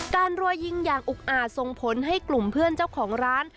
รัวยิงอย่างอุกอาจส่งผลให้กลุ่มเพื่อนเจ้าของร้าน